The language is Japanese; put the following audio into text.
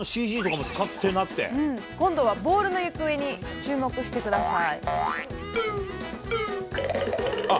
今度は、ボールの行方に注目してください。